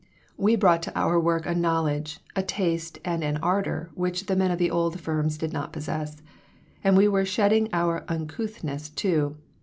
We brought to our work a knowledge, a taste, and an ardor which the men of the old firms did not possess. And we were shedding our uncouthness, too.